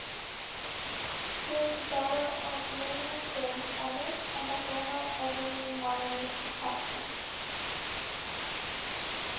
She is the daughter of Lennie James Ellis and the former Evelyn Marie Patton.